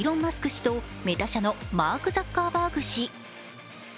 氏とメタ社のマーク・ザッカーバーグ氏。